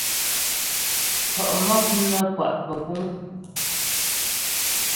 Tɔ'ɔ mɔk nə́ kwa' pə́púŋ.